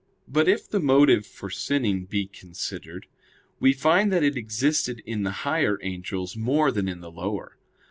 But if the motive for sinning be considered, we find that it existed in the higher angels more than in the lower.